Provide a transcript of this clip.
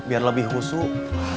biar lebih khusus